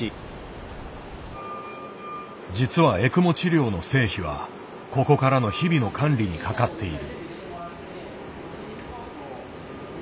実はエクモ治療の成否はここからの日々の管理にかかっている。